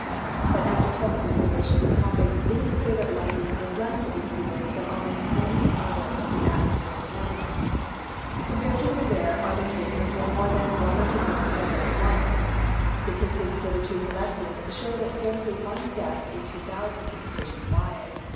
But after a careful consideration of the topic, it is clear that lightning is less to be feared than almost any other of the atmospheric phenomena. Comparatively rare are the cases where more than one or two persons are killed at once. Statistics hitherto collected show that scarcely one death in two thousand is occasioned by it.